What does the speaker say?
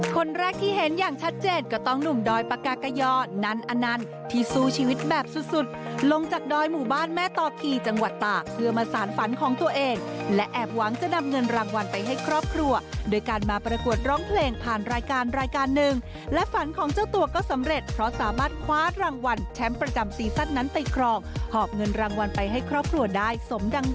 คนแรกที่เห็นอย่างชัดเจนก็ต้องหนุ่มดอยปกกะย่อนั้นอันนั้นที่สู้ชีวิตแบบสุดสุดลงจากดอยหมู่บ้านแม่ต่อขี่จังหวัดต่าเพื่อมาสารฝันของตัวเองและแอบหวังจะนำเงินรางวัลไปให้ครอบครัวโดยการมาประกวดร้องเพลงผ่านรายการรายการหนึ่งและฝันของเจ้าตัวก็สำเร็จเพราะสามารถคว้ารางวัลแชมประจำซ